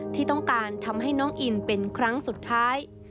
ที่ต้องการทำให้น้องอินเป็นครั้งสุดท้าย